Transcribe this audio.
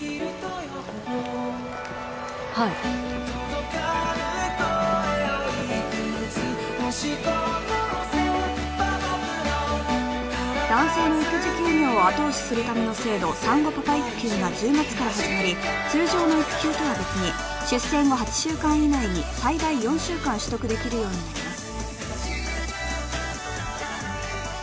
はい男性の育児休業を後押しするための制度産後パパ育休が１０月から始まり通常の育休とは別に出生後８週間以内に最大４週間取得できるようになります